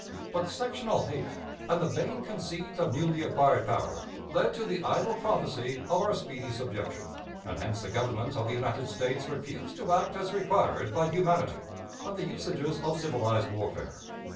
But sectional hate and the vain conceit of newly acquired power led to the idle prophecy of our speedy subjection, and hence the Government of the United States refused to act as required by humanity and the usages of civilized warfare.